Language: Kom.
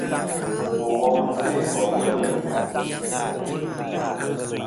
Bò wom nɨ̀n kœ̂ kòfi lvîn.